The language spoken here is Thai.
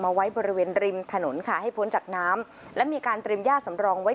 ไว้บริเวณริมถนนค่ะให้พ้นจากน้ำและมีการเตรียมย่าสำรองไว้